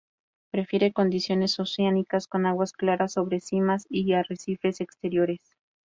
Prefiere condiciones oceánicas, con aguas claras sobre simas y arrecifes exteriores.